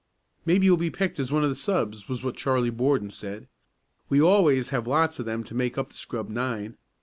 "Maybe you'll be picked as one of the subs," was what Charlie Borden said. "We always have lots of them to make up the scrub nine.